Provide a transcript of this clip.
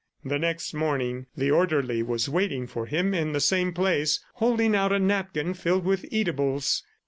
The next morning the orderly was waiting for him in the same place, holding out a napkin filled with eatables.